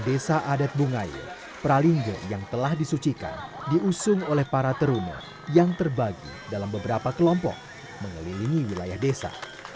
pertanda pralinga yang telah disucikan diusung oleh para teruner yang terbagi dalam beberapa kelompok mengelilingi wilayah desa